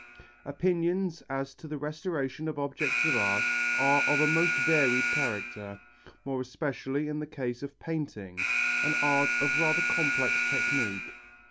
Opinions as to the restoration of objects of art are of a most varied character; more especially in the case of painting, an art of rather complex technique.